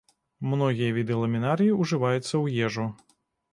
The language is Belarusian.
Многія віды ламінарыі ўжываюцца ў ежу.